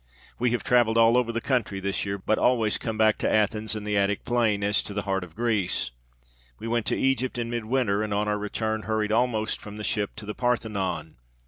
We have traveled all over the country this year, but always come back to Athens and the Attic plain as to the heart of Greece. We went to Egypt in midwinter, and on our return hurried almost from the ship to the Parthenon.